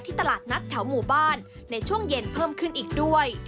ตลาดนัดแถวหมู่บ้านในช่วงเย็นเพิ่มขึ้นอีกด้วย